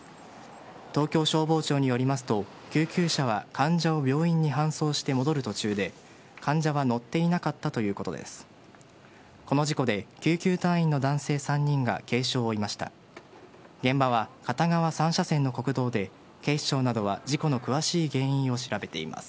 東京消防庁によりますと救急車は患者を病院に搬送して戻る途中で患者は乗っていなかったということです。